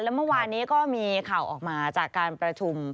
และเมื่อวานนี้ก็มีข่าวออกมาจากการประชุม